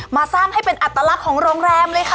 สร้างให้เป็นอัตลักษณ์ของโรงแรมเลยค่ะ